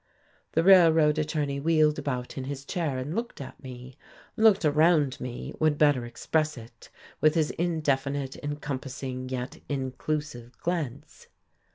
The railroad attorney wheeled about in his chair and looked at me; looked around me, would better express it, with his indefinite, encompassing yet inclusive glance.